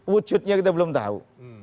wujudnya kita belum tahu